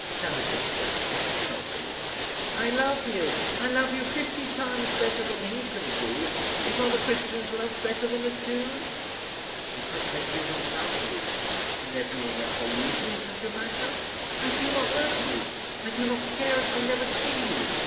"No, Ziska; that cannot be." "I love you. I love you fifty times better than he can do. Is not a Christian's love better than a Jew's?" "Because I do not love you. Can there be any other reason in such a matter? I do not love you. I do not care if I never see you.